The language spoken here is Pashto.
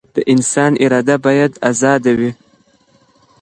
د انسان اراده بايد ازاده وي.